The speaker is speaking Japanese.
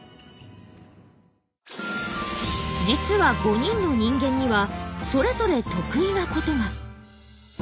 実は５人の人間にはそれぞれ得意なことが。